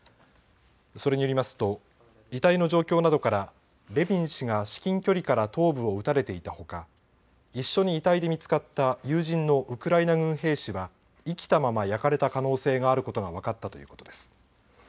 それによりますと遺体の状況などからレビン氏が至近距離から頭部を撃たれていたほか一緒に遺体で見つかった友人のウクライナ軍兵士は生きたまま焼かれた可能性があることが分かったということです。